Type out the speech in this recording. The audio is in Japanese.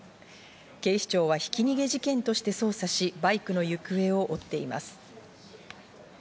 警視庁はひき逃げ事件として捜査し、バイクの行方を追っています。